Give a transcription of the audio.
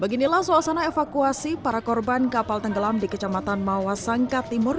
beginilah suasana evakuasi para korban kapal tenggelam di kecamatan mawasangka timur